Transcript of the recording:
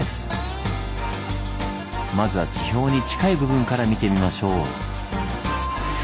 まずは地表に近い部分から見てみましょう。